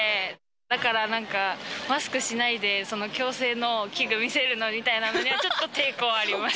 だからなんか、マスクしないで、その矯正の器具見せるのみたいなのには、ちょっと抵抗あります。